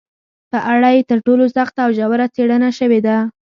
په اړه یې تر ټولو سخته او ژوره څېړنه شوې ده